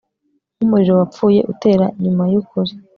Nkumuriro wapfuye utera nyuma yukuri